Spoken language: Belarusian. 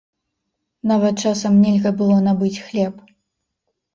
Нават часам нельга было набыць хлеб.